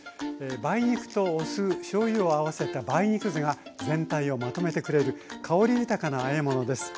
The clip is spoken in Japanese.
梅肉とお酢しょうゆを合わせた梅肉酢が全体をまとめてくれる香り豊かなあえ物です。